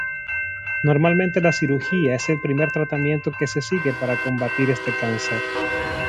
Normalmente la cirugía es el primer tratamiento que se sigue para combatir este cáncer.